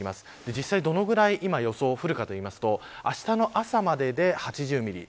実際どのぐらい今、予想で降るかというとあしたの朝までで８０ミリ。